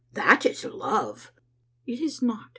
That is love. "" It is not.